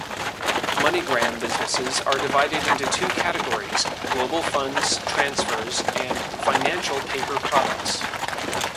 MoneyGram businesses are divided into two categories: Global Funds Transfers and Financial Paper Products.